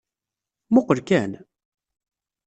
Mmuqqel kan!